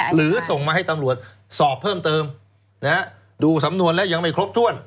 หรือส่งมาให้ตำรวจสอบเพิ่มเติมดูสำนวนแล้วยังไม่ครบถ้วน